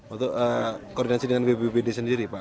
untuk koordinasi dengan bbbd sendiri pak